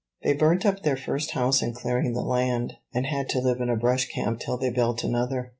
They burnt up their first house in clearing the land, and had to live in a brush camp till they built another.